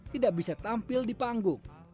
tidak bisa tampil di panggung